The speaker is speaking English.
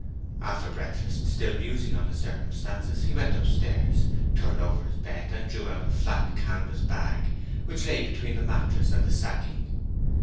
After breakfast, still musing on the circumstances, he went upstairs, turned over his bed, and drew out a flat canvas bag which lay between the mattress and the sacking.